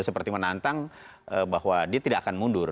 seperti menantang bahwa dia tidak akan mundur